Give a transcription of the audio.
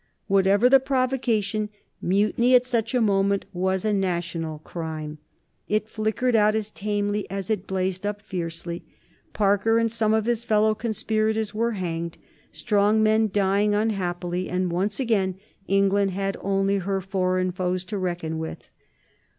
Whatever the provocation, mutiny at such a moment was a national crime. It flickered out as tamely as it blazed up fiercely. Parker and some of his fellow conspirators were hanged, strong men dying unhappily, and once again England had only her foreign foes to reckon with.